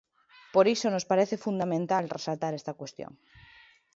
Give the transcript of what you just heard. Por iso nos parece fundamental resaltar esta cuestión.